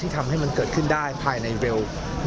ที่ทำให้มันเกิดขึ้นได้ภายในเวล๑มากครับ